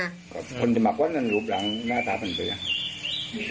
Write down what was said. แล้วมาพิวเวซอะไร